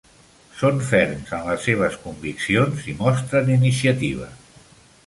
Són ferms en les seves conviccions i mostren iniciativa.